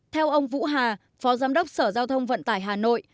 theo ông vũ hà phó giám đốc sở giao thông vận tải hà nội